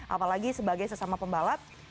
apalagi sebagai sesama pembalap